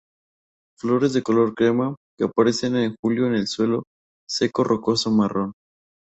Flores de color crema, que aparecen en julio en el suelo seco rocoso marrón.